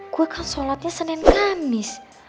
gue akan sholatnya senin kamis